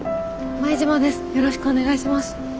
よろしくお願いします。